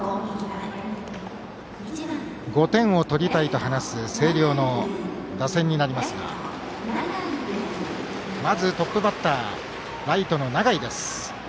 ５点を取りたいと話す星稜の打線になりますがまずトップバッターライトの永井です。